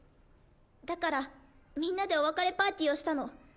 だからみんなでお別れパーティーをしたの。